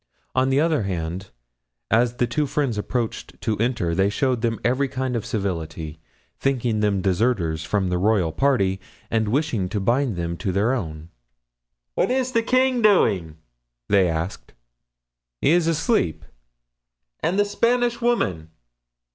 On the other hand, as the two friends approached to enter, they showed them every kind of civility, thinking them deserters from the royal party and wishing to bind them to their own. "What is the king doing?" they asked. "He is asleep." "And the Spanish woman?"